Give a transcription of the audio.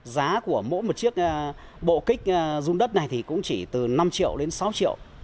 giá của mỗi một chiếc bộ kích dùng đất này thì cũng chỉ từ năm triệu đến sáu triệu